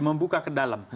membuka ke dalam